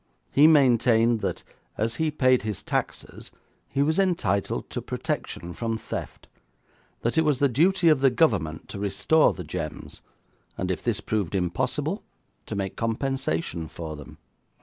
He maintained that, as he paid his taxes, he was entitled to protection from theft; that it was the duty of the Government to restore the gems, and if this proved impossible, to make compensation for them.